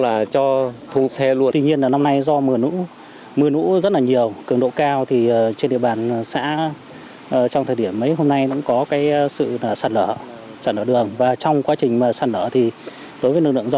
và trong quá trình sạt lở đối với lực lượng giao thông